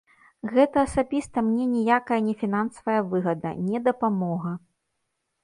Гэта асабіста мне ніякая не фінансавая выгада, не дапамога.